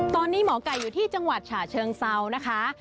ตอนนี้หมอไก่อยู่ที่จังหวัดฉะเชิงเซานะคะ